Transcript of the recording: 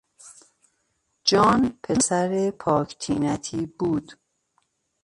جان پسر پاک طینتی بود.